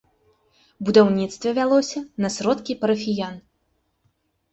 Будаўніцтва вялося на сродкі парафіян.